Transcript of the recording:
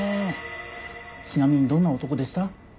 ちなみにどんな男でした？